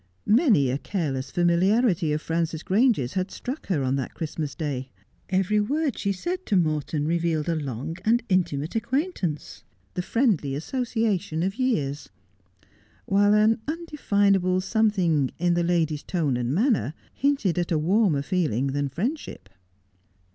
Many a careless familiarity of Frances Grange's had struck her on that Christmas Day. Every word she said to Morton revealed a long and intimate acquaintance — the friendly association of years ; while an undefinable something in the lady's tone and manner hinted at a warmer feeling than friend ship.